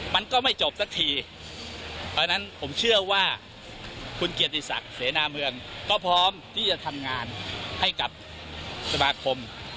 มันก็ไม่จบสักทีเพราะฉะนั้นผมเชื่อว่าคุณเกียรติศักดิ์เสนาเมืองก็พร้อมที่จะทำงานให้กับสมาคม